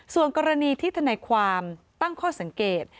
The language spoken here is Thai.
ส่วนกรณีที่ทนายความตั้งข้อสังเกต